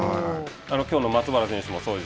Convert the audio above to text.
きょうの松原選手もそうです。